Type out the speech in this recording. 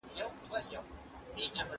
ښه انسان تل ياد پاته سي